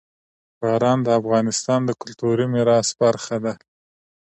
باران د افغانستان د کلتوري میراث برخه ده.